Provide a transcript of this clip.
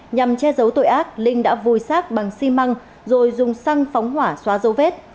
nhằm che giấu tội ác linh đã vùi sát bằng xi măng rồi dùng xăng phóng hỏa xóa dấu vết